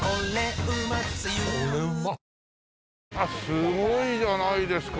すごいじゃないですか。